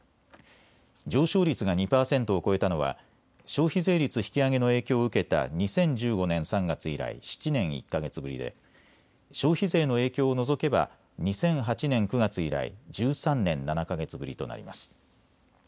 上昇率が２％を超えたのは消費税率引き上げの影響を受けた２０１５年３月以来、７年１か月ぶりで消費税の影響を除けば２００８年９月以来１３年７か月ぶりとなります。